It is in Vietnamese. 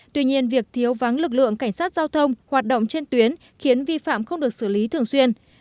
tuy nhiên việc thiếu vắng lực lượng cảnh sát giao thông hoạt động trên tuyến khiến vi phạm không được xử lý thường xuyên